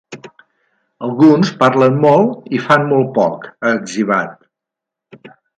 Alguns parlen molt i fan molt poc, ha etzibat.